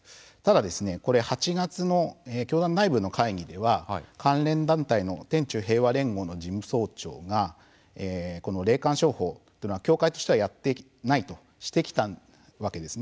ただ、８月の教団内部の会議では、関連団体の天宙平和連合の事務総長が霊感商法というのは教会としてはやってないとしてきたわけです。